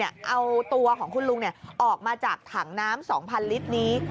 เอาตัวของคุณลุงออกมาจากถังน้ำ๒๐๐ลิตรนี้